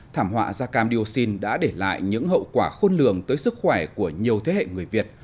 thảm họa gia cam điều sinh đã để lại những hậu quả khôn lường tới sức khỏe của nhiều thế hệ người việt